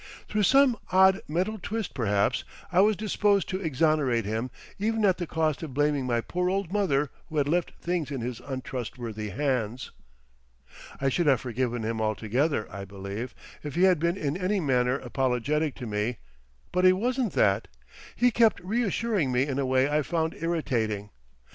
Through some odd mental twist perhaps I was disposed to exonerate him even at the cost of blaming my poor old mother who had left things in his untrustworthy hands. I should have forgiven him altogether, I believe, if he had been in any manner apologetic to me; but he wasn't that. He kept reassuring me in a way I found irritating.